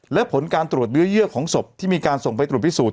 และผลการตรวจเนื้อเยื่อของศพที่มีการส่งไปตรวจพิสูจน